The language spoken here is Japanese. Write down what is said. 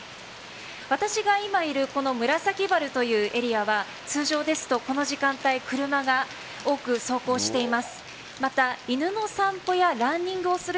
私が今いるエリアは通常ですと、この時間帯車が多く走行しています。